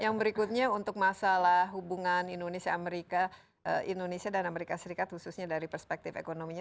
yang berikutnya untuk masalah hubungan indonesia amerika indonesia dan amerika serikat khususnya dari perspektif ekonominya